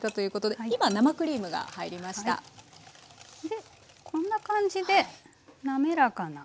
でこんな感じで滑らかな。